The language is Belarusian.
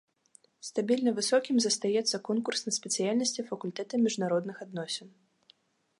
Стабільна высокім застаецца конкурс на спецыяльнасці факультэта міжнародных адносін.